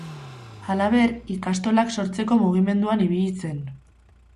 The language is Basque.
Halaber, ikastolak sortzeko mugimenduan ibili zen.